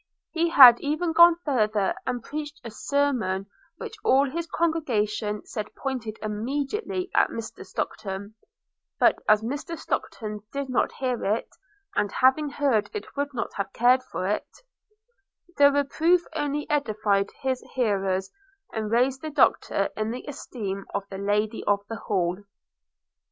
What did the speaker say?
He had even gone farther, and preached a sermon which all his congregation said pointed immediately at Mr Stockton; but as Mr Stockton did not hear it, and having heard it would not have cared for it, the reproof only edified his hearers, and raised the Doctor in the esteem of the Lady of the Hall.